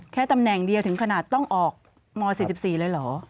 แค่ตำแหน่งเดียวถึงขนาดต้องออกม๔๔เลยเหรอ